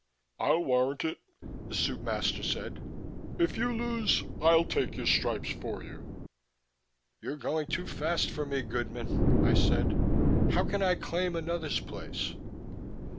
"I'll warrant it," the soup master said. "If you lose, I'll take your stripes for you." "You're going too fast for me, goodmen," I said. "How can I claim another's place?"